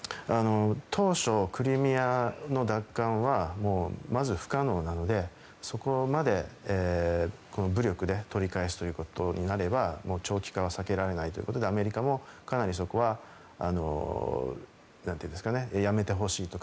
当初、クリミアの奪還はまず不可能なのでそこまで武力で取り返すということになれば長期化は避けられないということでアメリカもかなりそこはやめてほしいと